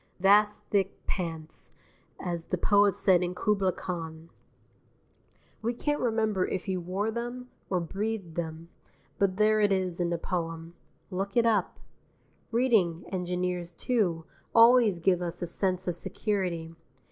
Vast thick pants, as the poet said in "Khubla Khan." We can't remember if he wore them, or breathed them, but there it is in the poem; look it up. Reading engineers, too, always give us a sense of security.